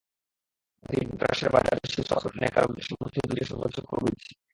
এটি যুক্তরাষ্ট্রের বাজারে শীর্ষ পাঁচ রপ্তানিকারক দেশের মধ্যে দ্বিতীয় সর্বোচ্চ প্রবৃদ্ধি।